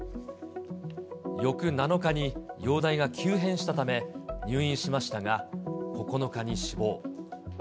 翌７日に、容体が急変したため、入院しましたが、９日に死亡。